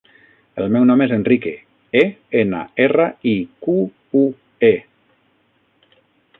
El meu nom és Enrique: e, ena, erra, i, cu, u, e.